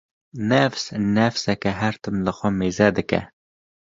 Nefs nefsek e her tim li xwe mêze dike